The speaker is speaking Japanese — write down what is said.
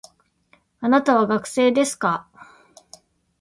あなたは学生ですか